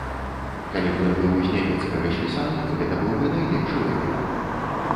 Калі б ён быў з нямецкага спісаны, гэта быў бы найлепшы варыянт.